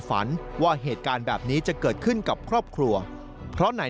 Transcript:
ฝันว่าเหตุการณ์แบบนี้จะเกิดขึ้นกับครอบครัวเพราะนาย